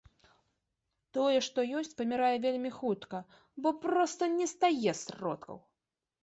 Тое, што ёсць, памірае вельмі хутка, бо проста не стае сродкаў.